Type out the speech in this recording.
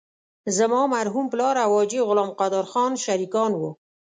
زما مرحوم پلار او حاجي غلام قادر خان شریکان وو.